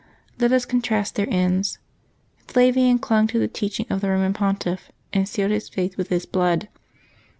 Let us contrast their ends. Flavian clung to the teaching of the Roman Pontiff, and sealed his faith with his blood.